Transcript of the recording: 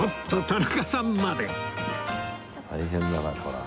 田中さんまで